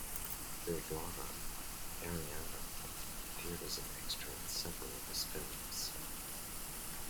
Their daughter, Arianne, appeared as an extra in several of his films.